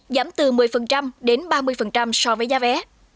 giảm từ một mươi đến ba mươi so với giá vé